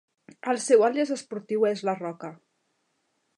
El seu àlies esportiu es La Roca.